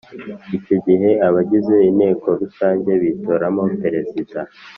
Icyo gihe abagize Inteko Rusange bitoramo Perezida